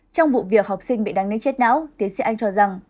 trong vụ việc học sinh bị đăng đến chết não tiến sĩ anh cho rằng